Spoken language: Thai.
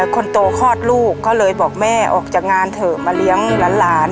คนโตคลอดลูกก็เลยบอกแม่ออกจากงานเถอะมาเลี้ยงหลาน